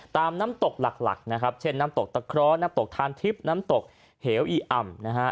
ตามน้ำตกหลักเช่นน้ำตกตะเคราะห์น้ำตกทานทิพย์น้ำตกเหลวอีอ่ำ